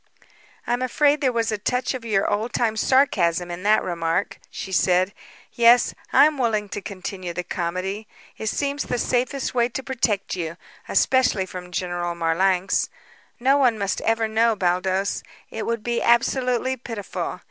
"I'm afraid there was a touch of your old time sarcasm in that remark," she said. "Yes, I am willing to continue the comedy. It seems the safest way to protect you especially from General Marlanx. No one must ever know, Baldos; it would be absolutely pitiful.